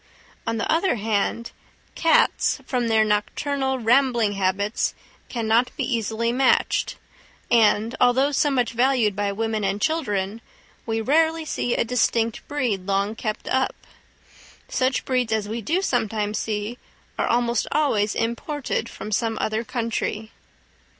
On the other hand, cats, from their nocturnal rambling habits, can not be easily matched, and, although so much valued by women and children, we rarely see a distinct breed long kept up; such breeds as we do sometimes see are almost always imported from some other country.